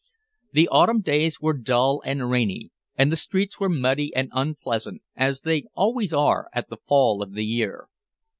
The autumn days were dull and rainy, and the streets were muddy and unpleasant, as they always are at the fall of the year.